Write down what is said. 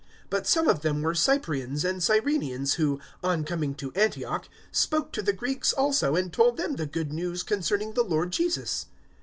011:020 But some of them were Cyprians and Cyrenaeans, who, on coming to Antioch, spoke to the Greeks also and told them the Good News concerning the Lord Jesus.